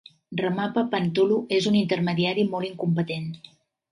Ramappa Panthulu és un intermediari molt incompetent.